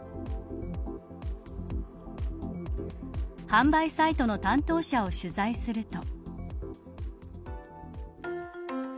販売サイトの担当者を取材すると。